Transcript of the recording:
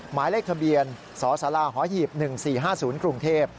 หมายเลขทะเบียนสสหหีบ๑๔๕๐กรุงเทพฯ